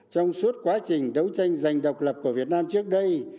trong suốt quá trình đấu tranh giành độc lập của việt nam trước đây